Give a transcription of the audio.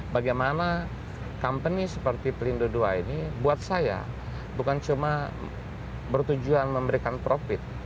bagaimana company seperti pelindo ii ini buat saya bukan cuma bertujuan memberikan profit